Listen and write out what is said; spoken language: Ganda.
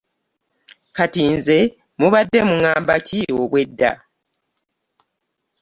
Kati nze mubadde muŋŋamba ki obwedda?